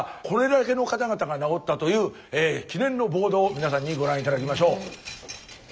これだけの方々がなおったという記念のボードを皆さんにご覧頂きましょう。